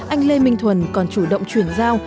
anh lê minh thuần còn chủ động chuyển giao